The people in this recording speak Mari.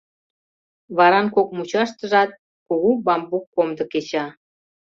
Варан кок мучаштыжат кугу бамбук комдо кеча.